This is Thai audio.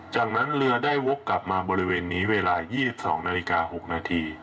จากนั้นเรือได้วกกลับมาบริเวณนี้เวลา๒๒นาฬิกา๖นาที